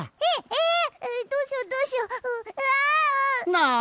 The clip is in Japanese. なあ！